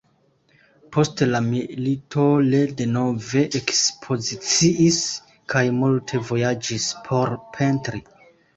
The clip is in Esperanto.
Post la milito le denove ekspoziciis kaj multe vojaĝis por pentri.